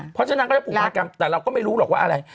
เพราะฉะนั้นก็จะผูกพันกันแต่เราก็ไม่รู้หรอกว่าอะไร